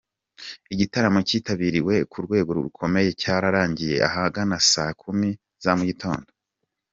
Iki gitaramo cyitabiriwe ku rwego rukomeye cyarangiye ahagana saa kumi za mu gitondo.